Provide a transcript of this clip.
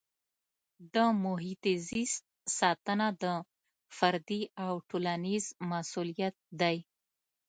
د محیط زیست ساتنه د فردي او ټولنیز مسؤلیت دی.